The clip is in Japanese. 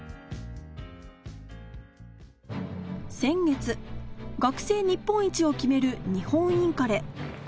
先月学生日本一を決める日本インカレ